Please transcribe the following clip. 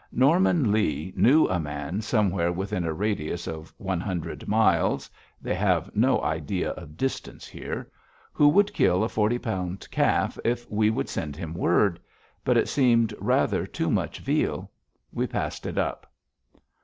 Norman Lee knew a man somewhere within a radius of one hundred miles they have no idea of distance there who would kill a forty pound calf if we would send him word. But it seemed rather too much veal. We passed it up.